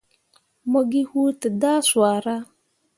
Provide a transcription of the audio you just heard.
Mo gi huu dǝdah swara.